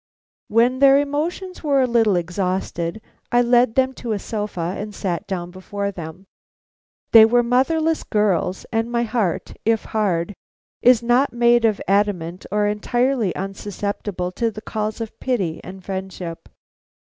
When their emotions were a little exhausted I led them to a sofa and sat down before them. They were motherless girls, and my heart, if hard, is not made of adamant or entirely unsusceptible to the calls of pity and friendship.